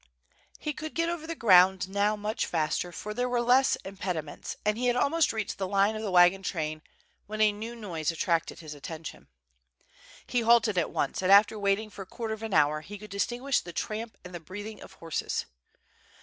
He could get over the ground now much faster, for there were less impediments, and he had almost reached the line of the wagon train, when a new nodse attracted his attention. He halted at once and after waiting for a quarter of an hour he could distinguish the tramp and the breathing of horses.